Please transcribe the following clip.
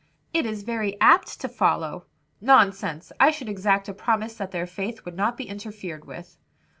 "It is very apt to follow." "Nonsense! I should exact a promise that their faith would not be interfered with."